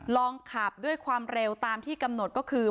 ลองขับด้วยความเร็วตามที่กำหนดก็คือ